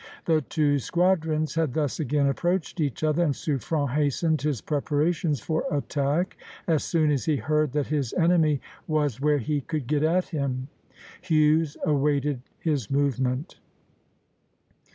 The two squadrons had thus again approached each other, and Suffren hastened his preparations for attack as soon as he heard that his enemy was where he could get at him. Hughes awaited his movement.